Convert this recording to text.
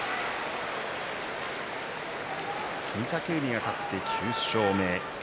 御嶽海が勝って９勝目。